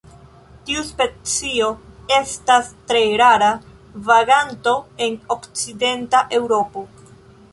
Tiu specio estas tre rara vaganto en okcidenta Eŭropo.